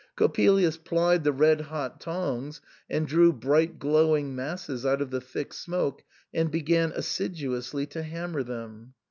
Coppelius plied the red hot tongs and drew bright glowing masses out of the thick smoke and began assiduously to hammer them.